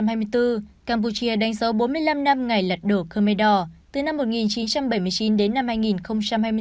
năm hai nghìn hai mươi bốn campuchia đánh dấu bốn mươi năm năm ngày lật đổ khmer đỏ từ năm một nghìn chín trăm bảy mươi chín đến năm hai nghìn hai mươi bốn